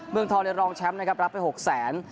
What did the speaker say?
เมืองทองในรองแชมป์นะครับรับไป๖แสน